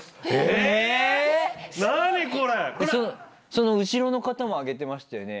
その後ろの方もあげてましたよね。